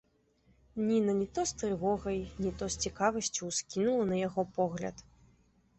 Ніна не то з трывогай, не то з цікавасцю ўскінула на яго погляд.